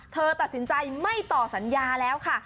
เธอตัดสินใจไม่ต่อสัญญาแล้วค่ะ